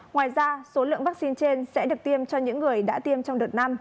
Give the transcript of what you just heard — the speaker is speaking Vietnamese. ngoài ra số lượng vaccine trên sẽ được tiêm cho những người đã tiêm trong đợt năm